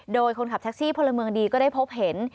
โดยคนขับแท็กซี่พลเมืองดีก็ได้พบเห็น